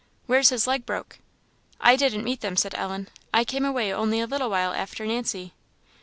Where's his leg broke?" "I didn't meet them," said Ellen; "I came away only a little while after Nancy."